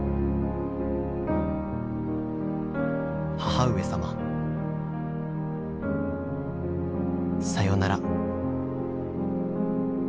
「母上様さよなら」。